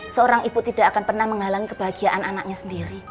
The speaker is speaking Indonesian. seorang ibu tidak akan pernah menghalangi kebahagiaan anaknya sendiri